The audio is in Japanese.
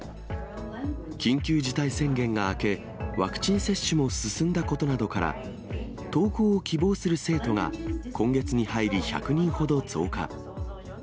緊急事態宣言が明け、ワクチン接種も進んだことなどから、登校を希望する生徒が今月に入り１００人ほど増加。